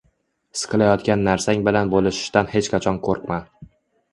His qilayotgan narsang bilan bo‘lishishdan hech qachon qo‘rqma.